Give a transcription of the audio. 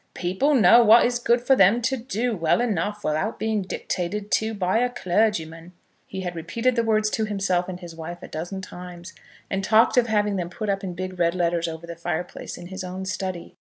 "People know what is good for them to do, well enough, without being dictated to by a clergyman!" He had repeated the words to himself and to his wife a dozen times, and talked of having them put up in big red letters over the fire place in his own study.